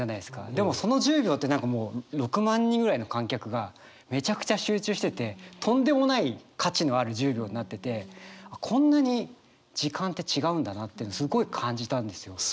でもその１０秒って何かもう６万人ぐらいの観客がめちゃくちゃ集中しててとんでもない価値のある１０秒になっててこんなにすごい感じたんですよ。